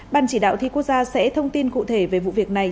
ban chỉ đạo thi quốc gia sẽ thông tin cụ thể về vụ việc này